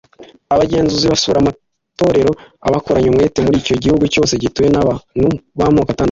Abagenzuzi basura amatorero bakoranye umwete muri icyo gihugu cyose gituwe n abantu b amoko atandukanye